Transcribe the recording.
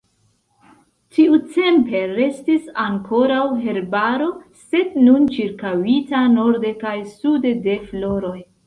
Tiutempe restis ankoraŭ herbaro, sed nun ĉirkaŭita norde kaj sude de floroj.